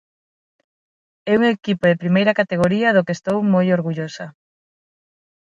É un equipo de primeira categoría do que estou moi orgullosa.